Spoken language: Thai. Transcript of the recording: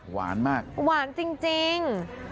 หวานมากหวานจริง